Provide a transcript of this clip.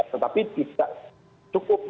tetapi tidak cukup